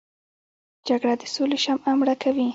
جګړه د سولې شمعه مړه کوي